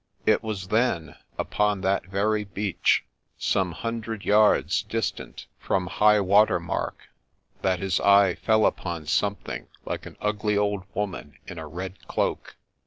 It was then, upon that very beach, some hundred yards distant from high water mark, that his eye fell upon something like an ugly old woman in a red cloak.